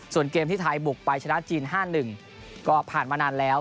ส่วนเกมที่ไทยบุกไปชนะจีน๕๑ก็ผ่านมานานแล้ว